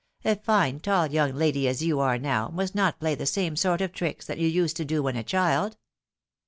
A fine, tall young lady as you are now, must not play the same sort of tricks that you used to do when a child."